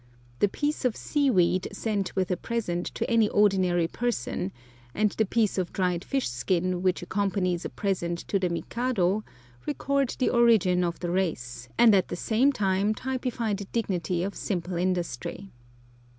The piece of seaweed sent with a present to any ordinary person, and the piece of dried fish skin which accompanies a present to the Mikado, record the origin of the race, and at the same time typify the dignity of simple industry.